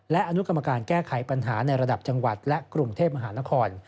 และอนุกรรมการแก้ไขปัญหาในระดับจังหวัดและกรุงเทพมหานคร